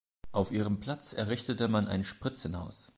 Auf ihrem Platz errichtete man ein Spritzenhaus.